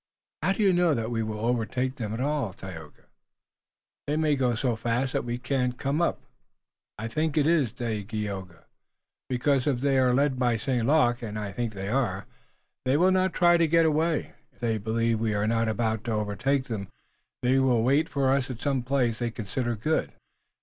"How do you know that we will overtake them at all, Tayoga? They may go so fast that we can't come up." "I know it, Dagaeoga, because if they are led by St. Luc, and I think they are, they will not try to get away. If they believe we are not about to overtake them they will wait for us at some place they consider good."